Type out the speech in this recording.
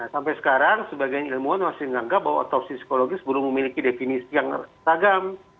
sampai sekarang sebagian ilmuwan masih menganggap bahwa otopsi psikologi sebelum memiliki definisi yang ragam